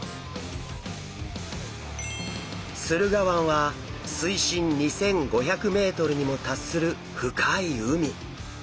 駿河湾は水深２，５００ｍにも達する深い海。